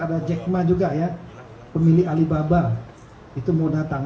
ada jekma juga ya pemilih alibaba itu mau datang